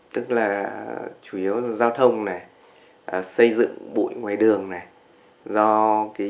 tức là chủ yếu là giao thông này xây dựng bụi ngoài đường này do